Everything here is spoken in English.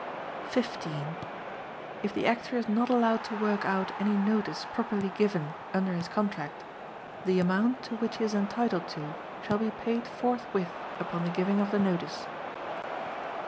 15. If the Actor is not allowed to work out any notice properly given under his contract the amount to which he is entitled to shall be paid forthwith upon the giving of the notice.